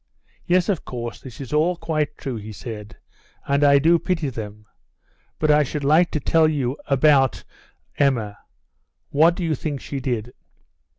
"Yes, of course, this is all quite true," he said, "and I do pity them; but I should like to tell you about Emma. What do you think she did